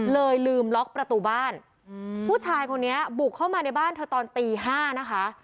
ลืมล็อกประตูบ้านผู้ชายคนนี้บุกเข้ามาในบ้านเธอตอนตี๕นะคะ